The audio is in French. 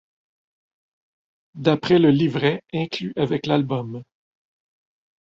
D'après le livret inclus avec l'album.